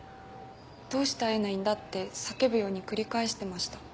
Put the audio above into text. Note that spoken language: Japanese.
「どうして会えないんだ」って叫ぶように繰り返してました。